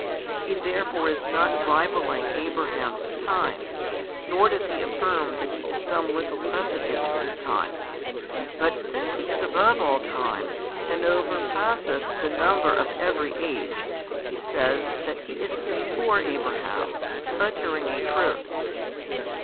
He therefore is not rivalling Abraham's times, nor does He affirm that He is some little precedent to his times: but since He is above all time, and o'erpasseth the number of every age, He says that He is before Abraham, uttering a truth.